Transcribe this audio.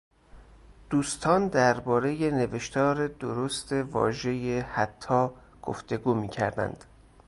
دوستان دربارهٔ نوشتار درست واژهٔ حتی گفتگو میکردند.